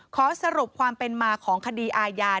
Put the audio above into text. ขอสรุปความเป็นมาของคดีอาญา